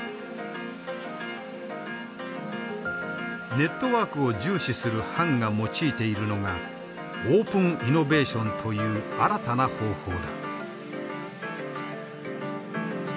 ネットワークを重視する潘が用いているのがオープンイノベーションという新たな方法だ。